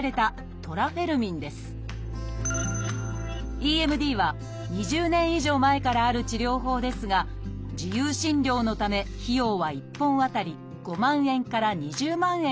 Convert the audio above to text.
「ＥＭＤ」は２０年以上前からある治療法ですが自由診療のため費用は１本あたり５万円から２０万円